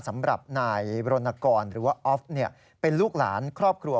สำหรับนายรณกรหรือว่าออฟเป็นลูกหลานครอบครัว